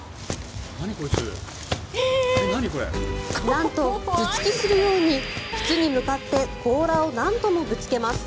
なんと頭突きするように靴に向かって甲羅を何度もぶつけます。